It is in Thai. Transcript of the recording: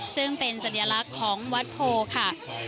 ซึ่งเป็นสัญลักษณ์ของวัดโพค่ะ